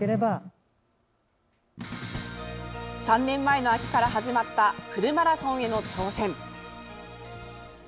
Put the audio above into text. ３年前の秋から始まったフルマラソンへの挑戦。